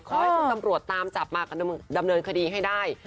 ขอให้สมรวตตามจับมากำเนินคดีให้ได้